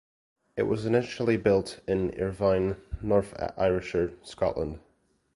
It was initially built in Irvine, North Ayrshire, Scotland.